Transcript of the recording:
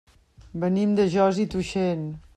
Venim de Josa i Tuixén.